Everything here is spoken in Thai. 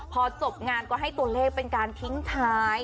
พอจบงานก็ให้ตัวเลขเป็นการทิ้งท้าย